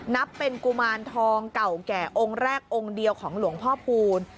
นับเป็นกุมารทองเก่าแก่องค์แรกองค์เดียวของหลวงพ่อคูณ